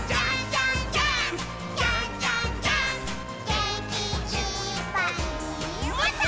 「げんきいっぱいもっと」